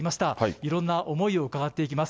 いろんな思いを伺ってきます。